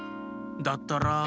だったら。